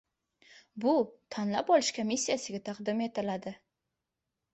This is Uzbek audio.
Bu tanlab olish komissiyasiga taqdim etadi.